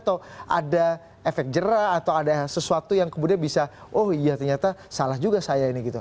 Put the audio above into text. atau ada efek jerah atau ada sesuatu yang kemudian bisa oh iya ternyata salah juga saya ini gitu